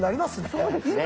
そうですね。